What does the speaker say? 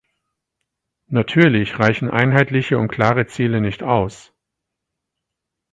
Natürlich reichen einheitliche und klare Ziele nicht aus.